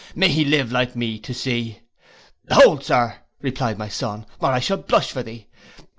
May he live, like me, to see—' 'Hold, Sir,' replied my son, 'or I shall blush for thee.